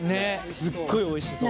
すっごいおいしそう。